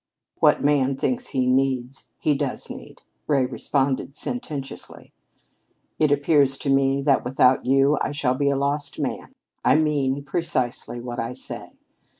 "What man thinks he needs, he does need," Ray responded sententiously. "It appears to me that without you I shall be a lost man. I mean precisely what I say.